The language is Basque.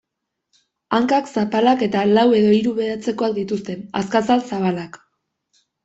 Hankak zapalak eta lau edo hiru behatzekoak dituzte, azkazal-zabalak.